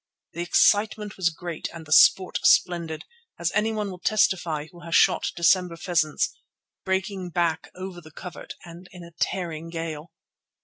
The excitement was great and the sport splendid, as anyone will testify who has shot December pheasants breaking back over the covert and in a tearing gale.